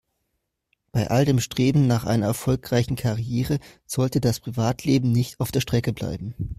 Bei all dem Streben nach einer erfolgreichen Karriere sollte das Privatleben nicht auf der Strecke bleiben.